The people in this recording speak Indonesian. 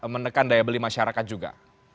menekan daya beli masyarakat juga